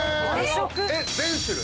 えっ全種類？